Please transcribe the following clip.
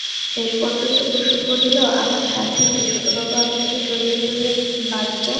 শেষপর্যন্ত কুসুম বলিল, আমার সাধ্যি কী ছোটবাবু আপনাকে জড়িয়ে জড়িয়ে বাঁধব?